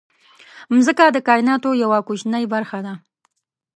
مځکه د کایناتو یوه کوچنۍ برخه ده.